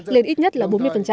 lên ít nhất là bốn mươi